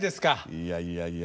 いやいやいや。